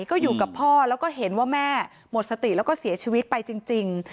ก็อยู่กับพ่อแล้วก็เห็นว่าแม่หมดสติแล้วก็เสียชีวิตไปจริง